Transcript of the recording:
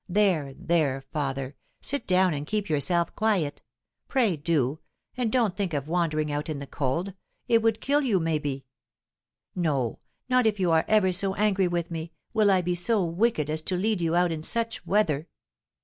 There, there, father, sit down and keep yourself quiet. Pray do, and don't think of wandering out in the cold it would kill you, maybe. No, not if you are ever so angry with me, will I be so wicked as to lead you out in such weather."